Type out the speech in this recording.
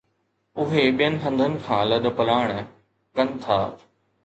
اهي ٻين هنڌن کان لڏپلاڻ ڪن ٿا